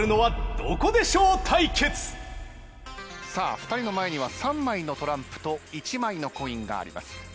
さあ２人の前には３枚のトランプと１枚のコインがあります。